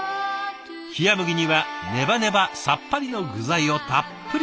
冷や麦にはネバネバさっぱりの具材をたっぷりと。